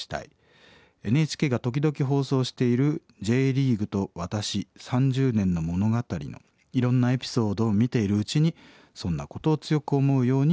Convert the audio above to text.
ＮＨＫが時々放送している『Ｊリーグと私３０年の物語』のいろんなエピソードを見ているうちにそんなことを強く思うようになりました。